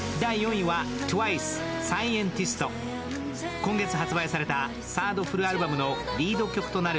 今月発売されたサードフルアルバムのリード曲となる